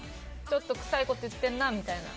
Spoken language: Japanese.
ちょっとくさいこと言ってんなみたいな。